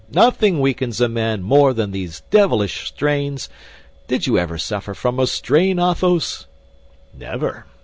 Nothing weakens a man more than these devilish strains. Did you ever suffer from a strain, Athos?" "Never!